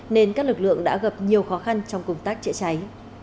nên các lực lượng đã gặp nhiều khó khăn trong công tác chữa cháy